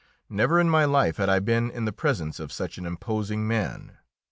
Never in my life had I been in the presence of such an imposing man.